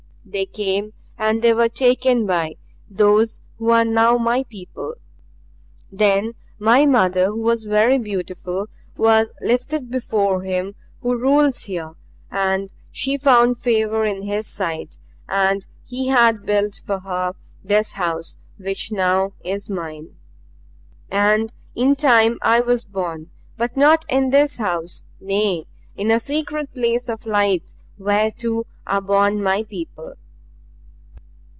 They came, and they were taken by Those who are now my people. Then my mother, who was very beautiful, was lifted before him who rules here and she found favor in his sight and he had built for her this house, which now is mine. "And in time I was born but not in this house. Nay in a secret place of light where, too, are born my people."